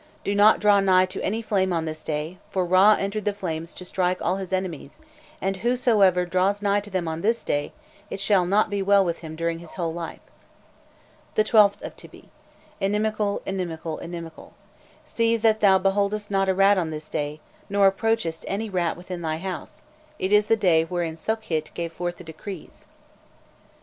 Do not draw nigh to any flame on this day, for Râ entered the flames to strike all his enemies, and whosoever draws nigh to them on this day, it shall not be well with him during his whole life. The 12th of Tybi: inimical, inimical, inimical. See that thou beholdest not a rat on this day, nor approachest any rat within thy house: it is the day wherein Sokhît gave forth the decrees."